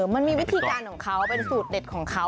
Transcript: มันมีวิธีการของเขาเป็นสูตรเด็ดของเขา